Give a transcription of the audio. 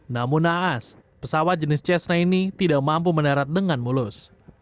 namun naas pesawat jenis cessna ini tidak mampu mendarat dengan mulus